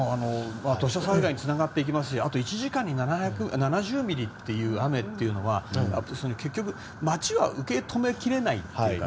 土砂災害につながっていきますしあと、１時間に７０ミリの雨というのは結局、町は受け止めきれないというか。